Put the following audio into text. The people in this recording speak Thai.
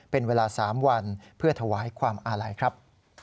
เป็นเวลา๓วันเพื่อถวายความอาลัยครับ